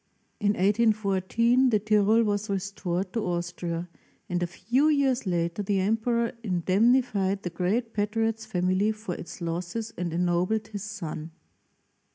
In 1 8 14 the Tyrol was restored to Austria, and a few years later the emperor indemnified the great patriot's family for its losses and ennobled his son.